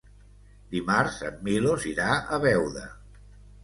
Dimarts en Milos irà a Beuda.